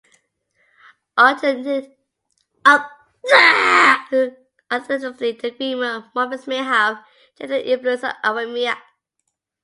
Alternatively, the agreement morphemes may have changed under the influence of Aramaic.